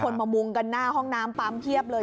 มามุงกันหน้าห้องน้ำปั๊มเพียบเลย